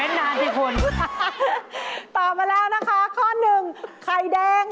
สังเกตหลายข้อแล้วนะ